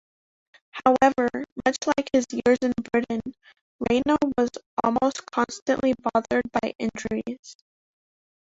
However, much like his years in Britain, Reyna was almost constantly bothered by injuries.